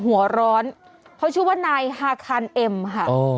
หัวร้อนเขาชื่อว่านายฮาคานเอ็มค่ะ